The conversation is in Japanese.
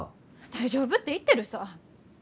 大丈夫って言ってるさぁ。